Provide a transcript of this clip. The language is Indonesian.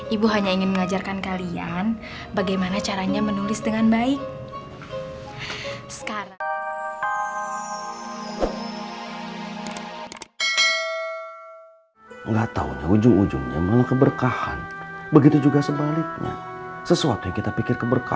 ibu hanya ingin mengajarkan kalian bagaimana caranya menulis dengan baik